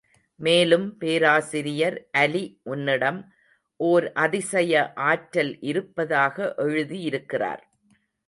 மேலும் பேராசிரியர் அலி உன்னிடம் ஓர் அதிசய ஆற்றல் இருப்பதாக எழுதியிருக்கிறார்.